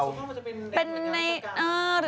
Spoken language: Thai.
หรือไม่ก้าวโรงเรียน